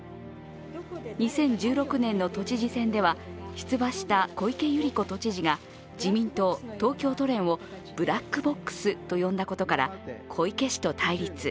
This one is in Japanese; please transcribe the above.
２０１６年の都知事選では出馬した小池百合子都知事が自民党東京都連をブラックボックスと呼んだことから小池氏と対立。